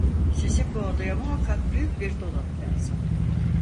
Sizin bu odaya muhakkak büyük bir dolap lazım…